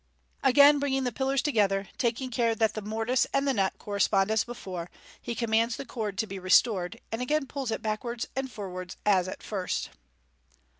Again bringing the pillars together, taking care that the mortice and the nut correspond as before, he commands the cord to be restored, and again pulls it backwards and forwards as at first.